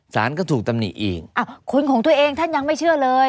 สารก็ถูกตำหนิเองอ้าวคนของตัวเองท่านยังไม่เชื่อเลย